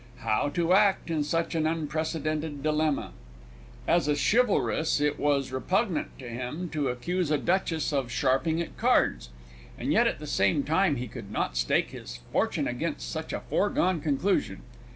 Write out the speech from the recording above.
How to act in such an unprecedented dilemma? As a chivalrous, it was repugnant to him to accuse a Duchess of sharping at cards, and yet at the same time he could not stake his fortune against such a foregone conclusion!